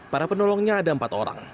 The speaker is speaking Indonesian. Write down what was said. para penolongnya ada empat orang